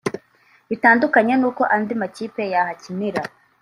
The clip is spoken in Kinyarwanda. bitandukanye n’uko andi makipe yahakinira